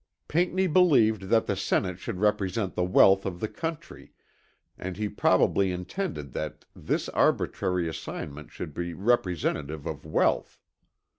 Pinckney believed that the Senate should represent the wealth of the country, and he probably intended that this arbitrary assignment should be representative of wealth.